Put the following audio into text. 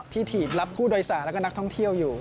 ถีบรับผู้โดยสารและก็นักท่องเที่ยวอยู่